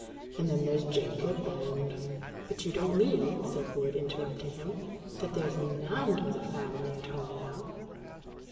And then there's Jacob and " "But you don't mean," said Wood, interrupting him, "that there's none o' the family at home now?"